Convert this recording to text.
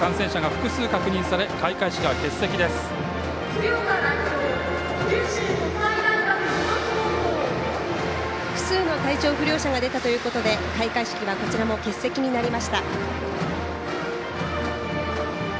複数の体調不良者が出たということで開会式はこちらも欠席になりました。